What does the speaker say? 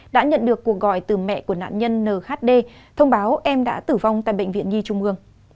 đã nhận được cuộc gọi từ mẹ của nạn nhân nhd thông báo em đã tử vong tại bệnh viện nhi trung ương